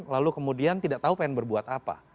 lalu kemudian tidak tahu pengen berbuat apa